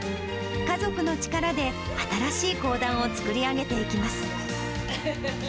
家族の力で新しい講談を作り上げていきます。